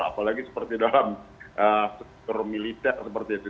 apalagi seperti dalam struktur militer seperti itu